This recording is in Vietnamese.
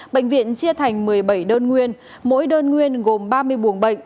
bệnh viện chia thành một mươi bảy đơn nguyên mỗi đơn nguyên gồm ba mươi buồng bệnh